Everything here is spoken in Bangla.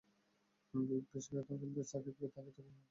বিগ ব্যাশ খেলতে এসে সাকিব তাঁকে টেক্সট মেসেজ পাঠিয়েছেন বলে জানালেন।